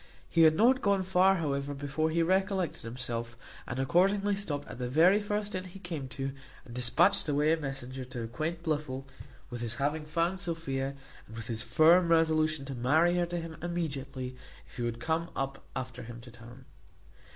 He had not gone far, however, before he recollected himself, and accordingly stopt at the very first inn he came to, and dispatched away a messenger to acquaint Blifil with his having found Sophia, and with his firm resolution to marry her to him immediately, if he would come up after him to town.